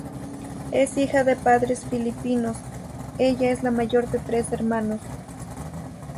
Es hija de padres filipinos, ella es la mayor de tres hermanos.